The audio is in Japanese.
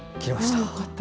あよかった。